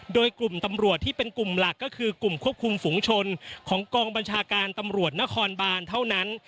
โดยกลุ่มตำรวจที่เป็นกลุ่มหลักก็คือกลุ่มควบคุมฝุงชนของกองบัญชาการตำรวจนครบานเท่านั้น